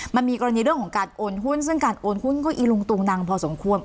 มันมีกรณีเรื่องของการโอนหุ้นซึ่งการโอนหุ้นก็อีลุงตุงนังพอสมควร